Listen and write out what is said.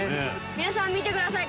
皆さん見てください。